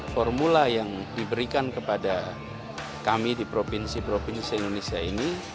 formula yang diberikan kepada kami di provinsi provinsi di indonesia ini